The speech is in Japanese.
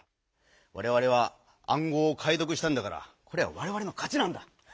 われわれはあんごうをかいどくしたんだからこれはわれわれのかちなんだ！